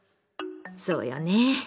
そうよね。